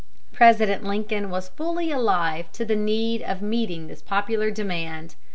President Lincoln was fully alive to the need of meeting this popular demand.